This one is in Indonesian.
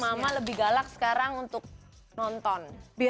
jadi mama lebih galak sekarang untuk nonton